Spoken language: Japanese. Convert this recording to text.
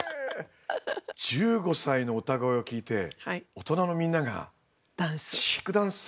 １５歳の歌声を聴いて大人のみんながチークダンスを。